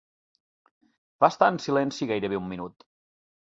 Va estar en silenci gairebé un minut.